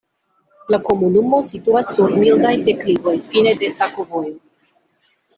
La komunumo situas sur mildaj deklivoj, fine de sakovojo.